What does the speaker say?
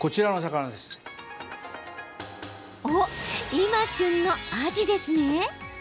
今、旬のあじですね。